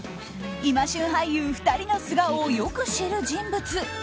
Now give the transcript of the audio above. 今旬俳優２人の素顔をよく知る人物。